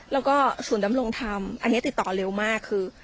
แล้วก็ศูนย์ดำรงธรรมอันนี้ติดต่อเร็วมากคือ